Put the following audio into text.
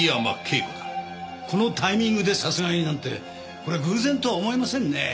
このタイミングで殺害なんてこれは偶然とは思えませんね。